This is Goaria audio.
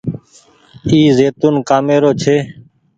اي زيتونٚ ڪآمي رو ڇي۔